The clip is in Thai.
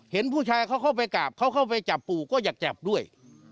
เห็นผู้ชายเขาเข้าไปกราบเขาเข้าไปจับปู่ก็อยากจับด้วย